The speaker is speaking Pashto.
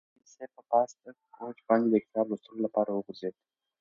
رحیمي صیب په پاسته کوچ باندې د کتاب لوستلو لپاره وغځېد.